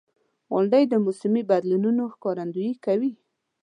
• غونډۍ د موسمي بدلونونو ښکارندویي کوي.